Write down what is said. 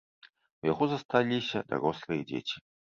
У яго засталіся дарослыя дзеці.